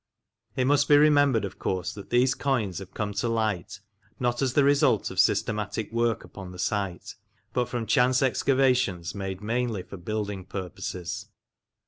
It must be remembered, of course, that these coins have come to light, not as the result of systematic work upon the site, but from chance excavations made mainly for building purposes.